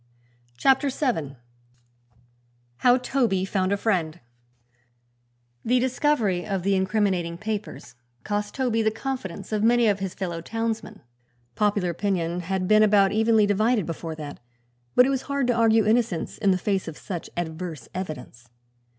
CHAPTER VII HOW TOBY FOUND A FRIEND The discovery of the incriminating papers cost Toby the confidence of many of his fellow townsmen. Popular opinion had been about evenly divided, before that, but it was hard to argue innocence in the face of such adverse evidence.